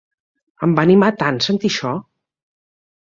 Em va animar tant sentir això!